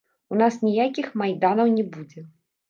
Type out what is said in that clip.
У нас ніякіх майданаў не будзе.